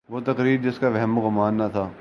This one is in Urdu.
وہ تقریر جس کا وہم و گماں نہ تھا۔